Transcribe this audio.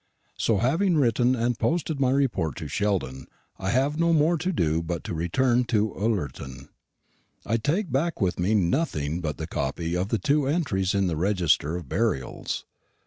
So, having written and posted my report to Sheldon, I have no more to do but to return to Ullerton. I take back with me nothing but the copy of the two entries in the register of burials.